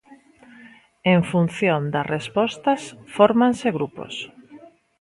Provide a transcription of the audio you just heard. En función das respostas, fórmanse grupos.